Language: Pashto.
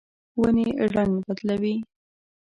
ونې رڼګ بدلوي